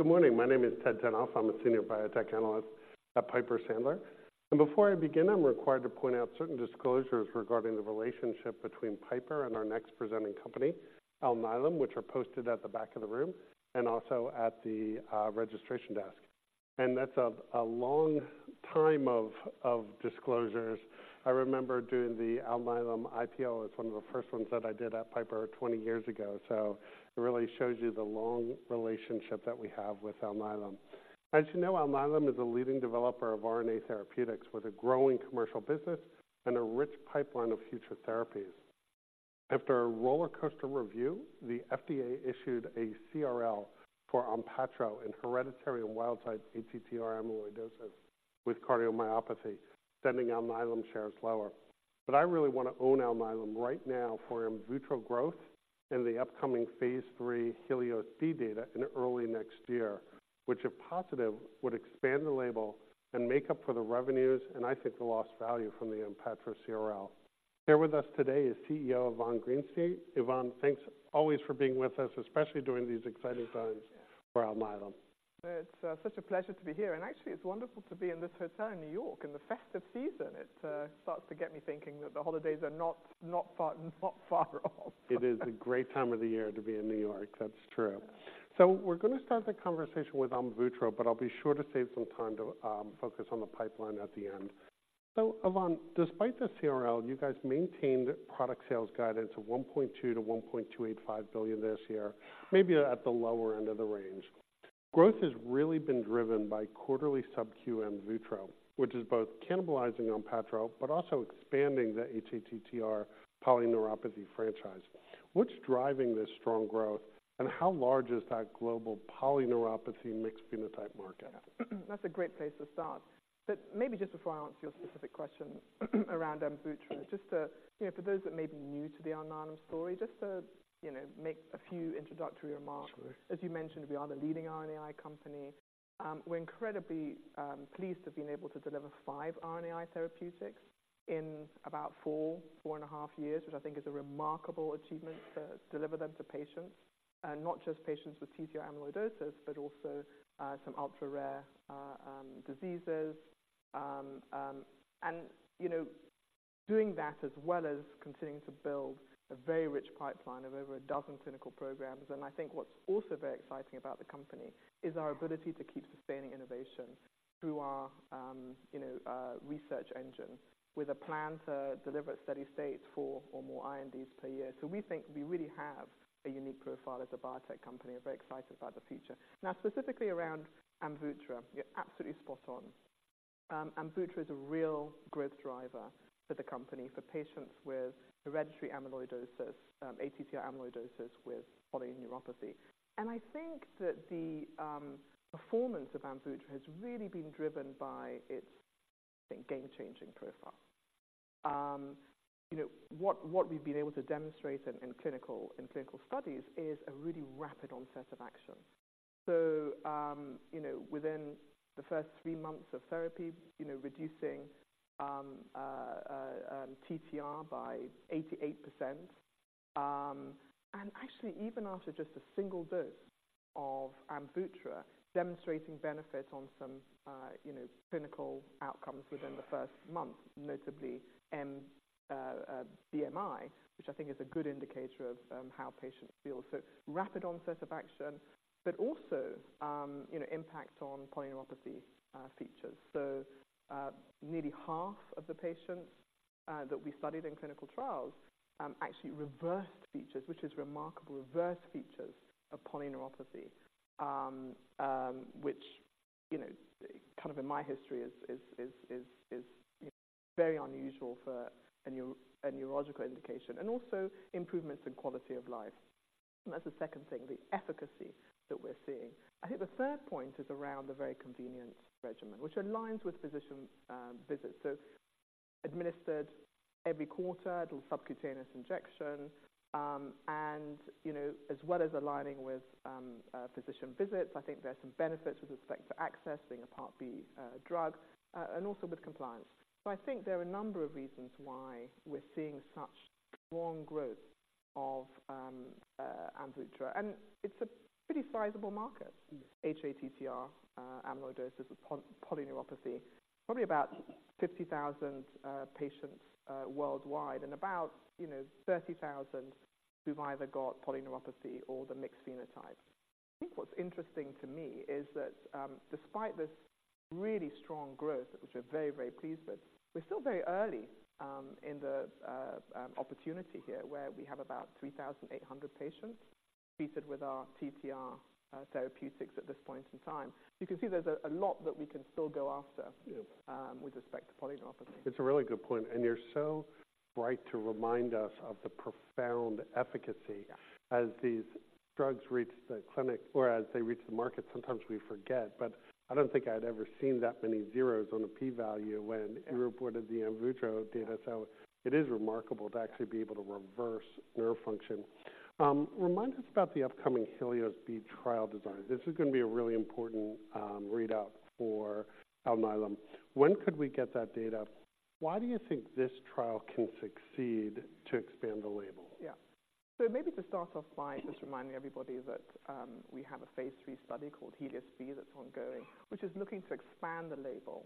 Good morning. My name is Ted Tenthoff. I'm a senior biotech analyst at Piper Sandler. And before I begin, I'm required to point out certain disclosures regarding the relationship between Piper and our next presenting company, Alnylam, which are posted at the back of the room and also at the registration desk. And that's a long time of disclosures. I remember doing the Alnylam IPO. It's one of the first ones that I did at Piper 20 years ago. So it really shows you the long relationship that we have with Alnylam. As you know, Alnylam is a leading developer of RNA therapeutics with a growing commercial business and a rich pipeline of future therapies. After a rollercoaster review, the FDA issued a CRL for ONPATTRO in hereditary and wild-type ATTR amyloidosis with cardiomyopathy, sending Alnylam shares lower. But I really want to own Alnylam right now for AMVUTTRA growth and the upcoming phase III HELIOS-B data in early next year, which, if positive, would expand the label and make up for the revenues, and I think the lost value from the ONPATTRO CRL. Here with us today is CEO Yvonne Greenstreet. Yvonne, thanks always for being with us, especially during these exciting times for Alnylam. It's such a pleasure to be here, and actually, it's wonderful to be in this hotel in New York in the festive season. It starts to get me thinking that the holidays are not far off. It is a great time of the year to be in New York. That's true. So we're going to start the conversation with AMVUTTRA, but I'll be sure to save some time to focus on the pipeline at the end. So Yvonne, despite the CRL, you guys maintained product sales guidance of $1.2 billion-$1.285 billion this year, maybe at the lower end of the range. Growth has really been driven by quarterly sub-Q AMVUTTRA, which is both cannibalizing ONPATTRO but also expanding the ATTR polyneuropathy franchise. What's driving this strong growth, and how large is that global polyneuropathy mixed phenotype market? That's a great place to start. But maybe just before I answer your specific question, around AMVUTTRA, just to, you know, for those that may be new to the Alnylam story, just to, you know, make a few introductory remarks. Sure. As you mentioned, we are the leading RNAi company. We're incredibly pleased to have been able to deliver five RNAi therapeutics in about four and a half years, which I think is a remarkable achievement to deliver them to patients, and not just patients with ATTR amyloidosis, but also some ultra-rare diseases. And, you know, doing that as well as continuing to build a very rich pipeline of over a dozen clinical programs. And I think what's also very exciting about the company is our ability to keep sustaining innovation through our, you know, research engine, with a plan to deliver at steady state 4 or more INDs per year. So we think we really have a unique profile as a biotech company. We're very excited about the future. Now, specifically around AMVUTTRA, you're absolutely spot on. AMVUTTRA is a real growth driver for the company, for patients with hereditary amyloidosis, ATTR amyloidosis with polyneuropathy. And I think that the performance of AMVUTTRA has really been driven by its, I think, game-changing profile. You know, what we've been able to demonstrate in clinical studies is a really rapid onset of action. So, you know, within the first three months of therapy, you know, reducing TTR by 88%. And actually, even after just a single dose of AMVUTTRA, demonstrating benefit on some, you know, clinical outcomes within the first month, notably BMI, which I think is a good indicator of how patients feel. So rapid onset of action, but also, you know, impact on polyneuropathy features. So, nearly half of the patients that we studied in clinical trials actually reversed features, which is remarkable. Reversed features of polyneuropathy, which, you know, kind of in my history is very unusual for a neurological indication, and also improvements in quality of life. That's the second thing, the efficacy that we're seeing. I think the third point is around the very convenient regimen, which aligns with physician visits. So administered every quarter through subcutaneous injection, and, you know, as well as aligning with physician visits. I think there are some benefits with respect to accessing a Part B drug, and also with compliance. So I think there are a number of reasons why we're seeing such strong growth of AMVUTTRA, and it's a pretty sizable market- Yes. ATTR amyloidosis with polyneuropathy. Probably about 50,000 patients worldwide and about, you know, 30,000 who've either got polyneuropathy or the mixed phenotype. I think what's interesting to me is that, despite this really strong growth, which we're very, very pleased with, we're still very early, in the opportunity here, where we have about 3,800 patients treated with our TTR therapeutics at this point in time. You can see there's a lot that we can still go after... Yes. ...with respect to polyneuropathy. It's a really good point, and you're so right to remind us of the profound efficacy. Yeah. As these drugs reach the clinic or as they reach the market, sometimes we forget, but I don't think I'd ever seen that many zeros on a p-value- Yeah.... when you reported the AMVUTTRA data. So it is remarkable to actually be able to reverse nerve function. Remind us about the upcoming HELIOS-B trial design. This is going to be a really important readout for Alnylam. When could we get that data?... Why do you think this trial can succeed to expand the label? Yeah. So maybe to start off by just reminding everybody that we have a phase III study called HELIOS-B that's ongoing, which is looking to expand the label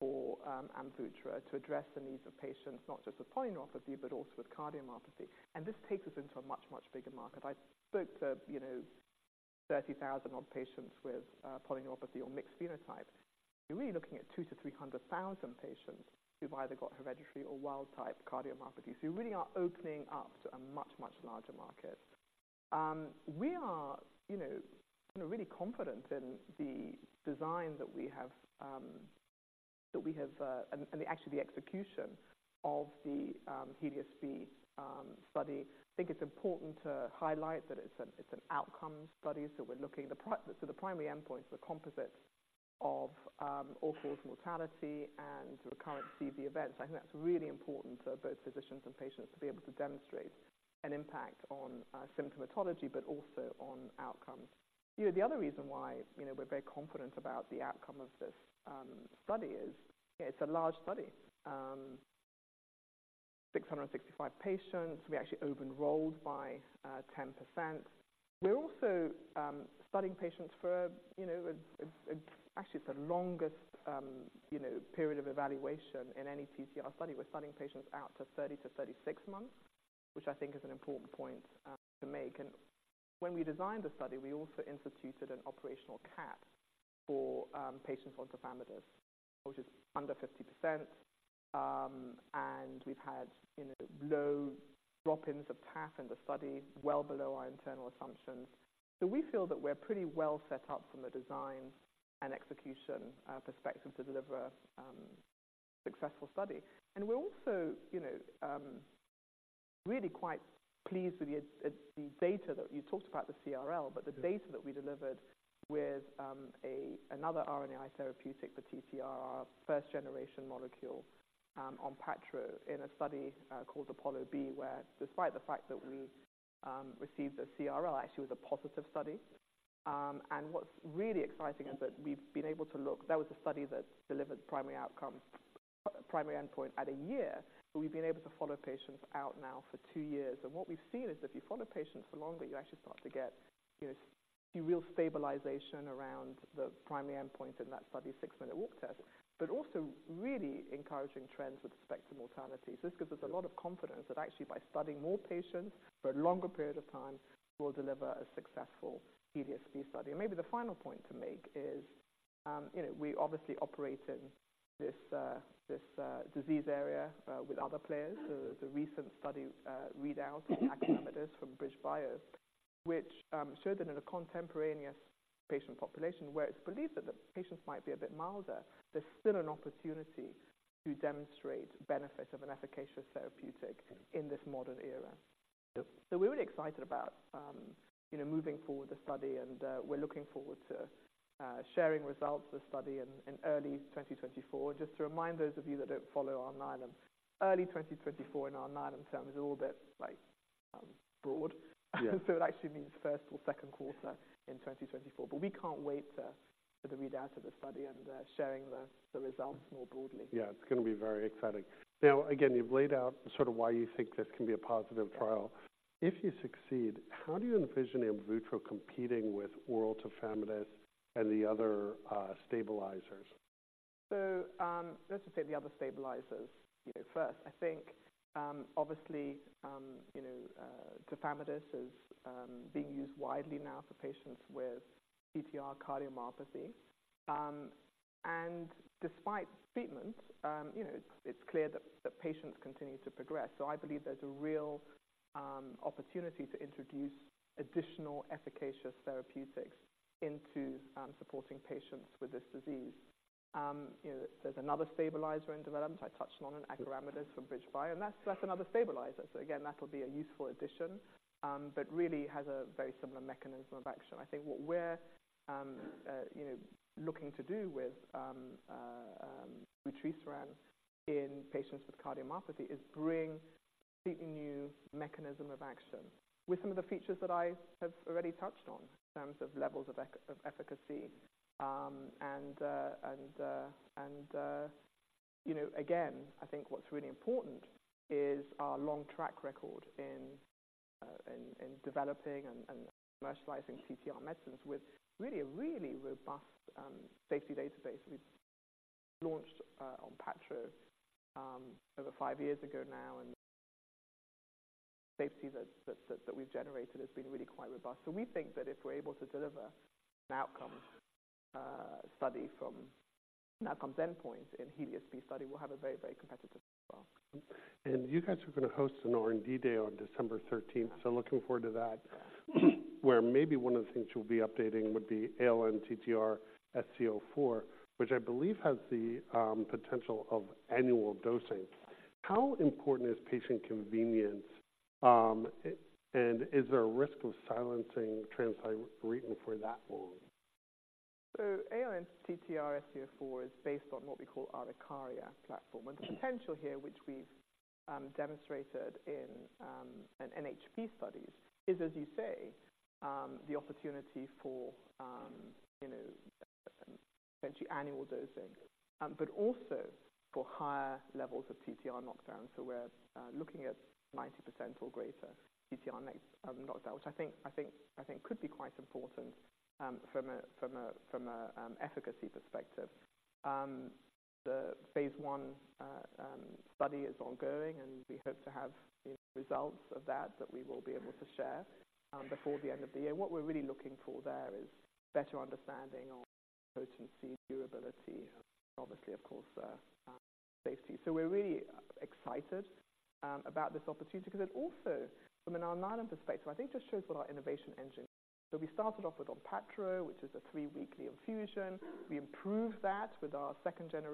for AMVUTTRA to address the needs of patients, not just with polyneuropathy, but also with cardiomyopathy. And this takes us into a much, much bigger market. I spoke to, you know, 30,000-odd patients with polyneuropathy or mixed phenotype. You're really looking at 200,000-300,000 patients who've either got hereditary or wild type cardiomyopathy. So we really are opening up to a much, much larger market. We are, you know, really confident in the design that we have. And actually the execution of the HELIOS-B study. I think it's important to highlight that it's an outcome study, so we're looking at the primary endpoints are composites of all-cause mortality and recurrent CV events. I think that's really important for both physicians and patients to be able to demonstrate an impact on symptomatology, but also on outcomes. You know, the other reason why, you know, we're very confident about the outcome of this study is it's a large study. 665 patients. We actually over-enrolled by 10%. We're also studying patients for actually, it's the longest period of evaluation in any ATTR study. We're studying patients out to 30-36 months, which I think is an important point to make. And when we designed the study, we also instituted an operational cap for patients on tafamidis, which is under 50%. And we've had, you know, low drop-ins of patisiran in the study, well below our internal assumptions. So we feel that we're pretty well set up from a design and execution perspective to deliver successful study. And we're also, you know, really quite pleased with the data that... You talked about the CRL- Yeah. But the data that we delivered with another RNAi therapeutic, the TTR, our 1st-generation molecule, ONPATTRO, in a study called APOLLO-B, where despite the fact that we received a CRL, actually it was a positive study. And what's really exciting is that we've been able to look. That was a study that delivered primary outcome, primary endpoint at a year, but we've been able to follow patients out now for two years. And what we've seen is if you follow patients for longer, you actually start to get, you know, see real stabilization around the primary endpoint in that study's six-minute walk test, but also really encouraging trends with respect to mortality. So this gives us a lot of confidence that actually by studying more patients for a longer period of time, we'll deliver a successful HELIOS-B study. Maybe the final point to make is, you know, we obviously operate in this disease area with other players. So the recent study readout from acoramidis, from BridgeBio, which showed that in a contemporaneous patient population where it's believed that the patients might be a bit milder, there's still an opportunity to demonstrate benefit of an efficacious therapeutic in this modern era. Yep. We're really excited about, you know, moving forward with the study, and we're looking forward to sharing results of the study in early 2024. Just to remind those of you that don't follow acoramidis, early 2024 in acoramidis terms is a little bit like broad. Yeah. So it actually means first or second quarter in 2024. But we can't wait to, for the readout of the study and, sharing the results more broadly. Yeah, it's gonna be very exciting. Now, again, you've laid out sort of why you think this can be a positive trial. If you succeed, how do you envision AMVUTTRA competing with oral tafamidis and the other stabilizers? So, let's just say the other stabilizers. You know, first, I think, obviously, you know, tafamidis is being used widely now for patients with TTR cardiomyopathy. And despite treatment, you know, it's clear that the patients continue to progress. So I believe there's a real opportunity to introduce additional efficacious therapeutics into supporting patients with this disease. You know, there's another stabilizer in development. I touched on it, acoramidis from BridgeBio, and that's another stabilizer. So again, that'll be a useful addition, but really has a very similar mechanism of action. I think what we're, you know, looking to do with vutrisiran in patients with cardiomyopathy is bring a completely new mechanism of action with some of the features that I have already touched on in terms of levels of efficacy. You know, again, I think what's really important is our long track record in developing and commercializing TTR medicines with really a really robust safety database. We launched ONPATTRO over five years ago now, and the safety that we've generated has been really quite robust. So we think that if we're able to deliver an outcome study from an outcomes endpoint in HELIOS-B study, we'll have a very, very competitive as well. You guys are going to host an R&D day on December 13, so looking forward to that. Where maybe one of the things you'll be updating would be ALN-TTRsc04, which I believe has the potential of annual dosing. How important is patient convenience? Is there a risk of silencing translocation for that long? ALN-TTRsc04 is based on what we call our Ikaria platform. The potential here, which we've demonstrated in an NHP studies is, as you say, the opportunity for, you know, potential annual dosing, but also for higher levels of TTR knockdown. We're looking at 90% or greater TTR knockdown, which I think could be quite important, from a, from a, from a, efficacy perspective. The phase I study is ongoing, and we hope to have the results of that we will be able to share, before the end of the year. What we're really looking for there is better understanding of potency, durability, obviously, of course, safety. So we're really excited about this opportunity because it also, from an Alnylam perspective, I think, just shows what our innovation engine... So we started off with ONPATTRO, which is a three-weekly infusion. We improved that with our 2nd-gen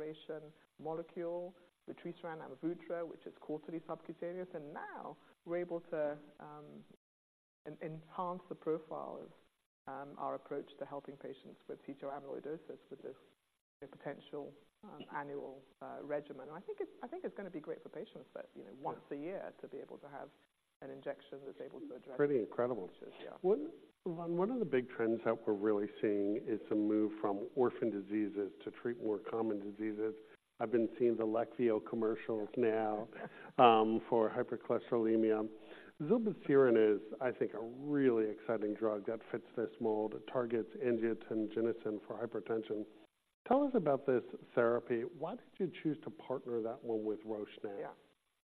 molecule, which we ran AMVUTTRA, which is quarterly subcutaneous, and now we're able to enhance the profile of our approach to helping patients with ATTR amyloidosis with this potential annual regimen. I think it's gonna be great for patients that, you know- Yeah. once a year to be able to have an injection that's able to address- Pretty incredible. Yeah. One of the big trends that we're really seeing is a move from orphan diseases to treat more common diseases. I've been seeing the Leqvio commercials now for hypercholesterolemia. Zilebesiran is, I think, a really exciting drug that fits this mold. It targets angiotensinogen for hypertension. Tell us about this therapy. Why did you choose to partner that one with Roche now? Yeah.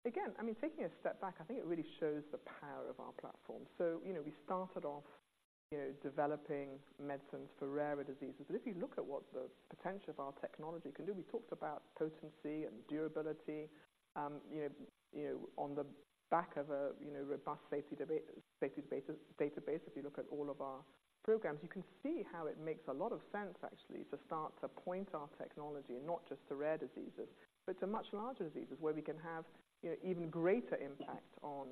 Again, I mean, taking a step back, I think it really shows the power of our platform. So, you know, we started off, you know, developing medicines for rarer diseases. But if you look at what the potential of our technology can do, we talked about potency and durability. You know, you know, on the back of a, you know, robust safety database, if you look at all of our programs, you can see how it makes a lot of sense actually to start to point our technology, not just to rare diseases, but to much larger diseases, where we can have, you know, even greater impact on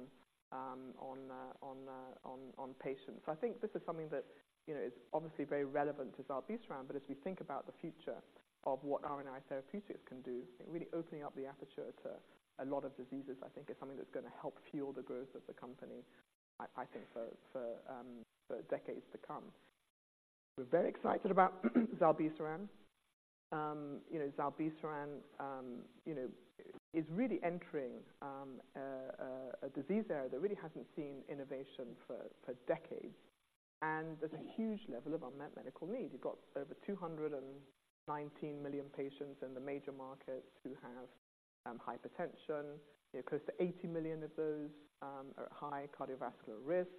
patients. So I think this is something that, you know, is obviously very relevant to zilebesiran. But as we think about the future of what RNAi therapeutics can do, really opening up the aperture to a lot of diseases, I think is something that's gonna help fuel the growth of the company for decades to come. We're very excited about zilebesiran. You know, zilebesiran, you know, is really entering a disease area that really hasn't seen innovation for decades, and there's a huge level of unmet medical needs. You've got over 219 million patients in the major markets who have hypertension. You know, close to 80 million of those are at high cardiovascular risk,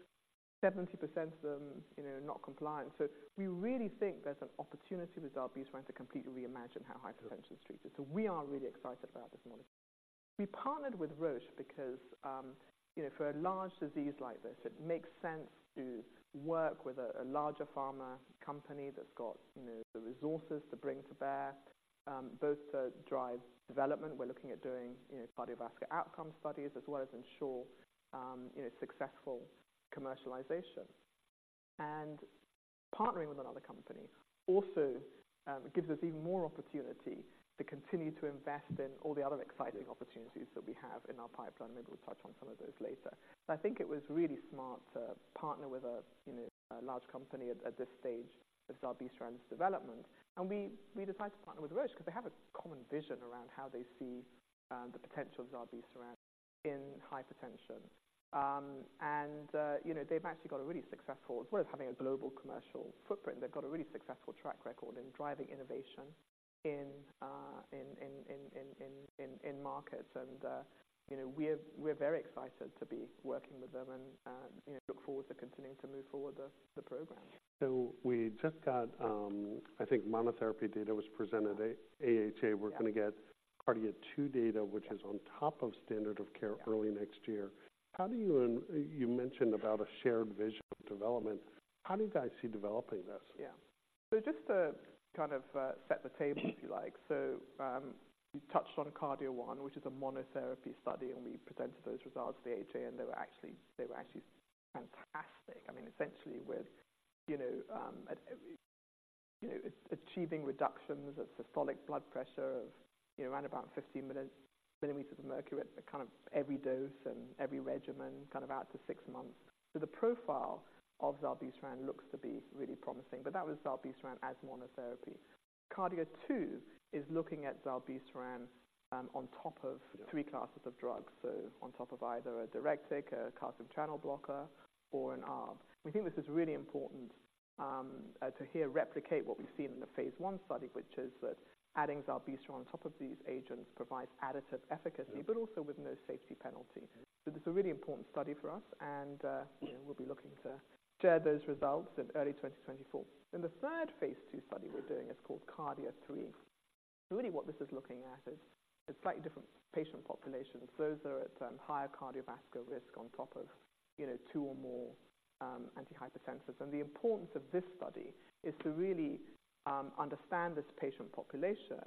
70% of them, you know, are not compliant. So we really think there's an opportunity with zilebesiran to completely reimagine how hypertension is treated. So we are really excited about this molecule. We partnered with Roche because, you know, for a large disease like this, it makes sense to work with a larger pharma company that's got, you know, the resources to bring to bear, both to drive development. We're looking at doing, you know, cardiovascular outcome studies as well as ensure, you know, successful commercialization. Partnering with another company also gives us even more opportunity to continue to invest in all the other exciting opportunities that we have in our pipeline. Maybe we'll touch on some of those later. I think it was really smart to partner with a, you know, a large company at this stage of zilebesiran's development, and we decided to partner with Roche because they have a common vision around how they see the potential of zilebesiran in hypertension. You know, they've actually got a really successful. As well as having a global commercial footprint, they've got a really successful track record in driving innovation in markets. And you know, we're very excited to be working with them and, you know, look forward to continuing to move forward with the program. So we just got, I think monotherapy data was presented at AHA. Yeah. We're gonna get KARDIA-2 data... Yeah. ...which is on top of standard of care... Yeah. ...early next year. How do you - you mentioned about a shared vision of development. How do you guys see developing this? Yeah. So just to kind of set the table—if you like. So, we touched on KARDIA-1, which is a monotherapy study, and we presented those results at the AHA, and they were actually, they were actually fantastic. I mean, essentially with, you know, you know, achieving reductions of systolic blood pressure of, you know, around about 15 millimeters of mercury at kind of every dose and every regimen, kind of out to six months. So the profile of zilebesiran looks to be really promising, but that was zilebesiran as monotherapy. KARDIA-2 is looking at zilebesiran, on top of- Yeah... three classes of drugs, so on top of either a diuretic, a calcium channel blocker, or an ARB. We think this is really important, replicate what we've seen in the phase I study, which is that adding zilebesiran on top of these agents provides additive efficacy- Yeah... but also with no safety penalty. So this is a really important study for us, and you know- Yeah... we'll be looking to share those results in early 2024. Then the third phase II study we're doing is called KARDIA-3. So really what this is looking at is a slightly different patient population, those that are at higher cardiovascular risk on top of, you know, two or more antihypertensives. And the importance of this study is to really understand this patient population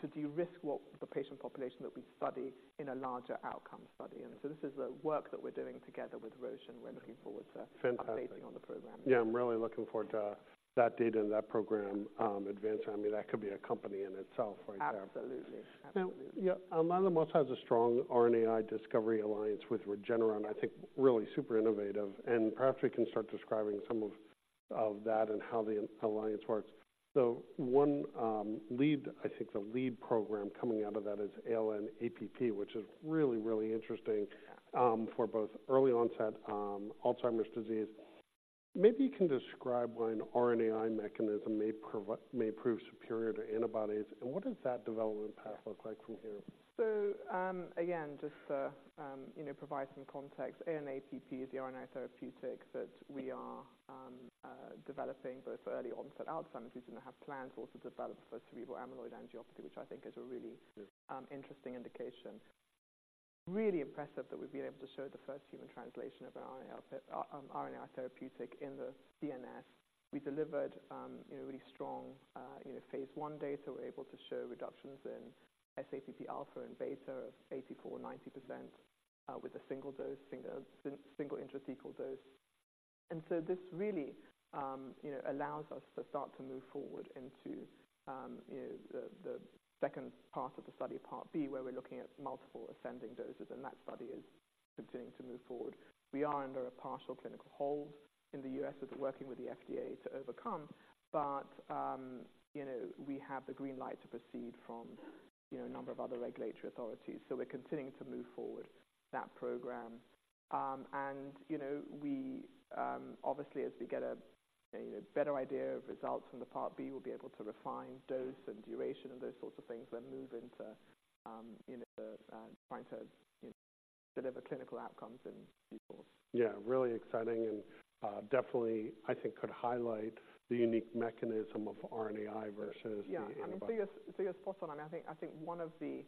to de-risk what the patient population that we study in a larger outcome study. And so this is the work that we're doing together with Roche, and we're looking forward to- Fantastic.... Updating on the program. Yeah, I'm really looking forward to that data and that program, advancing. I mean, that could be a company in itself right there. Absolutely. Now, yeah, Alnylam also has a strong RNAi discovery alliance with Regeneron, I think really super innovative, and perhaps we can start describing some of that and how the alliance works. So one, I think the lead program coming out of that is ALN-APP, which is really, really interesting, for both early-onset, Alzheimer's disease. Maybe you can describe why an RNAi mechanism may prove superior to antibodies, and what does that development path look like from here? So, again, just to, you know, provide some context, ALN-APP is the RNA therapeutic that we are developing both for early-onset Alzheimer's disease, and we have plans to also develop for cerebral amyloid angiopathy, which I think is a really- Yes... interesting indication. Really impressive that we've been able to show the first human translation of RNA therapeutic in the CNS. We delivered, you know, really strong, you know, phase I data. We're able to show reductions in sAPP alpha and beta of 84%-90%, with a single dose, single intrathecal dose. And so this really, you know, allows us to start to move forward into, you know, the second part of the study, part B, where we're looking at multiple ascending doses, and that study is continuing to move forward. We are under a partial clinical hold in the U.S. that we're working with the FDA to overcome, but, you know, we have the green light to proceed from, you know, a number of other regulatory authorities, so we're continuing to move forward that program. You know, we obviously, as we get a better idea of results from the Part B, we'll be able to refine dose and duration and those sorts of things, then move into, you know, trying to, you know, deliver clinical outcomes in people. Yeah, really exciting and, definitely, I think could highlight the unique mechanism of RNAi versus the antibody. Yeah, I mean, so you're, so you're spot on. I think, I think one of the,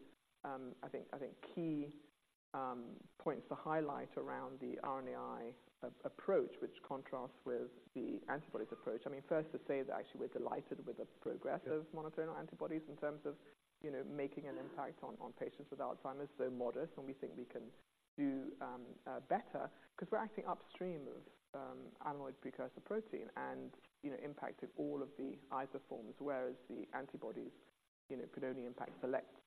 I think, I think key points to highlight around the RNAi approach, which contrasts with the antibodies approach. I mean, first to say that actually we're delighted with the progress- Yeah.... of monoclonal antibodies in terms of, you know, making an impact on patients with Alzheimer's, so modest, and we think we can do better. 'Cause we're acting upstream of amyloid precursor protein and, you know, impacted all of the isoforms, whereas the antibodies, you know, could only impact select isoforms.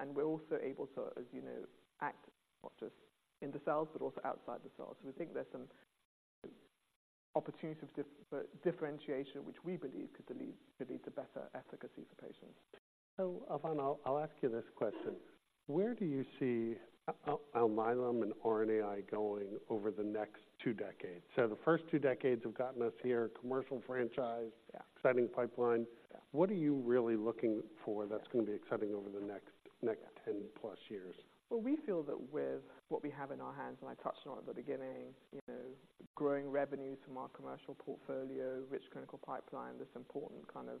And we're also able to, as you know, act not just in the cells but also outside the cells. We think there's some opportunities for differentiation, which we believe could lead to better efficacy for patients. So, Yvonne, I'll ask you this question: Where do you see Alnylam and RNAi going over the next two decades? The first two decades have gotten us here, commercial franchise- Yeah. ...Exciting pipeline. Yeah. What are you really looking for that's gonna be exciting over the next 10+ years? Well, we feel that with what we have in our hands, and I touched on at the beginning, you know, growing revenues from our commercial portfolio, rich clinical pipeline, this important kind of,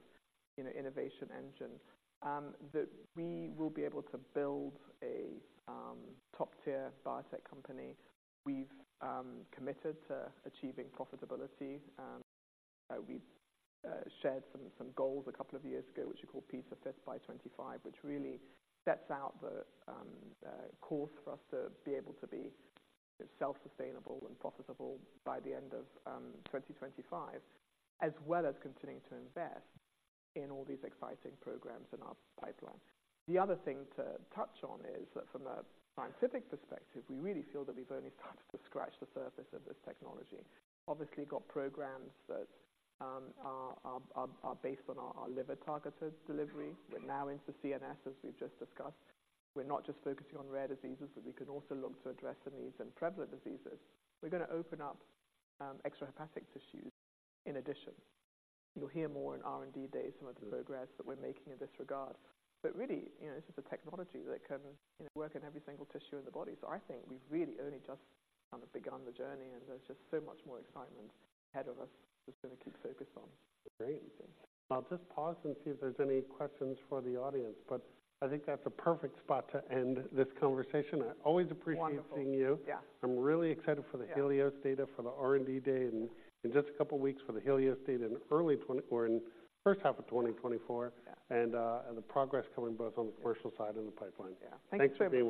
you know, innovation engine, that we will be able to build a top-tier biotech company. We've committed to achieving profitability. We've shared some goals a couple of years ago, which we call P5x25, which really sets out the course for us to be able to be self-sustainable and profitable by the end of 2025, as well as continuing to invest in all these exciting programs in our pipeline. The other thing to touch on is that from a scientific perspective, we really feel that we've only started to scratch the surface of this technology. Obviously, got programs that are based on our liver-targeted delivery. We're now into CNS, as we've just discussed. We're not just focusing on rare diseases, but we can also look to address the needs and prevalent diseases. We're gonna open up extrahepatic tissues in addition. You'll hear more in R&D Days, some of the progress that we're making in this regard. But really, you know, this is a technology that can, you know, work in every single tissue in the body. So I think we've really only just kind of begun the journey, and there's just so much more excitement ahead of us to sort of keep focus on. Great. I'll just pause and see if there's any questions for the audience, but I think that's a perfect spot to end this conversation. I always appreciate- Wonderful.... Seeing you. Yeah. I'm really excited for the HELIOS data, for the R&D day, and in just a couple of weeks, for the HELIOS data in early 20... or in first half of 2024. Yeah. And the progress coming both on the commercial side and the pipeline. Yeah. Thanks for being here.